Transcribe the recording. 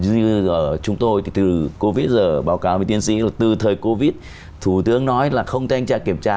như chúng tôi thì từ covid giờ báo cáo với tiến sĩ là từ thời covid thủ tướng nói là không thanh tra kiểm tra